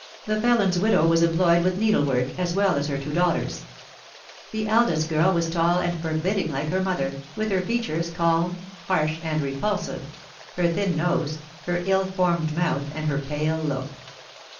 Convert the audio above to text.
The felon's widow was employed with needlework, as well as her two daughters. The eldest girl was tall and forbidding like her mother, with her features, calm, harsh, and repulsive, her thin nose, her ill formed mouth, and her pale look.